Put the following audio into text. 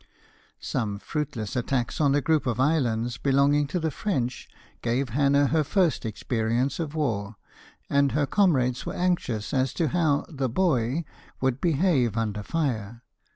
Some fruitless attacks on a group of islands belonging to the French gave Hannah her first experience of war, and her comrades were anxious as to how 'the boy' would behave under fire.